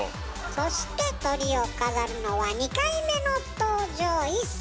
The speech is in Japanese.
そしてトリを飾るのは２回目の登場。